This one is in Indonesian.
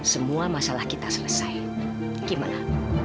semua masalah kita selesai gimana